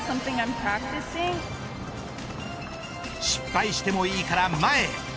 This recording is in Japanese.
失敗してもいいから前へ。